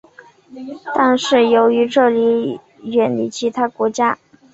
这是由于这里远离其他国家。